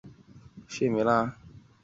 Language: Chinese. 川黔石栎